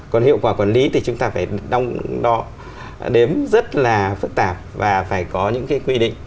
còn hiệu quả quản lý thì chúng ta phải đong đo đếm rất là phức tạp và phải có những cái quy định